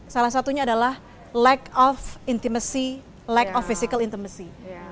salah satunya adalah lack of intimacy lack of physical intimacy